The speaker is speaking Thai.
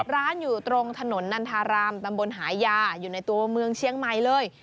ร้านอยู่ตรงถนนนันทารามตำบลหายาอยู่ในตัวเมืองเชียงใหม่เลย